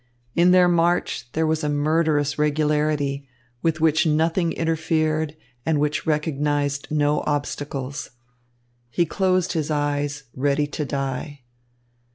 In their march there was a murderous regularity, with which nothing interfered and which recognised no obstacles. He closed his eyes ready to die.